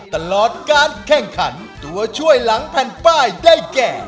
ตลอดการแข่งขันตัวช่วยหลังแผ่นป้ายได้แก่